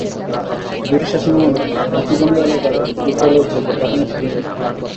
British শাসনামলে হাতীবান্ধা এলাকার একটি বিদ্যালয় থেকে প্রাথমিক শিক্ষা শেষ করেন।